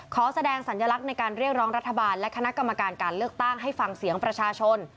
ขอแสดงสัญลักษณ์ในการเรียกร้องรัฐบาลและคณะกรรมการการเลือกตั้งให้ฟังเสียงประชาชน